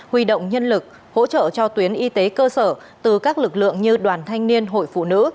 huy động nhân lực hỗ trợ cho tuyến y tế cơ sở từ các lực lượng như đoàn thanh niên hội phụ nữ